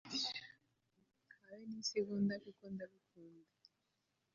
habe n'isegonda kuko ndagukunda